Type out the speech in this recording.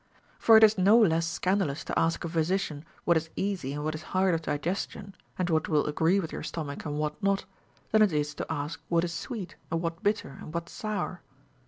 For it is no less scandalous to ask a physician what is easy and what is hard of digestion, and what Avill agree with your stomach and what not, than it is to ask what is sweet, and what bitter, and Avhat sour.